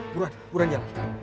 buruan buruan jalan